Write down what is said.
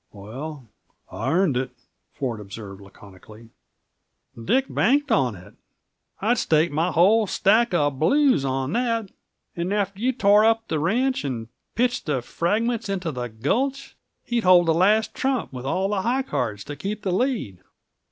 "Well, I earned it," Ford observed laconically. "Dick banked on it I'd stake my whole stack of blues on that. And after you'd torn up the ranch, and pitched the fragments into the gulch, he'd hold the last trump, with all high cards to keep the lead.